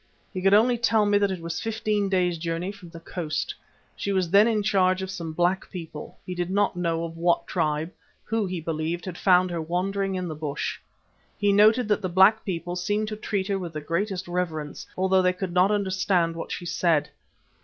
He could only tell me that it was fifteen days' journey from the coast. She was then in charge of some black people, he did not know of what tribe, who, he believed, had found her wandering in the bush. He noted that the black people seemed to treat her with the greatest reverence, although they could not understand what she said.